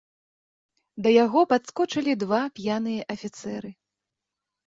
Да яго падскочылі два п'яныя афіцэры.